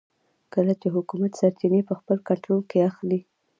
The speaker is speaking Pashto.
کله چې حکومت سرچینې په خپل کنټرول کې اخلي.